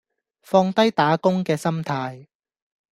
放低打工嘅心態